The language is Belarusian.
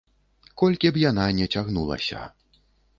Колькі б яна не цягнулася.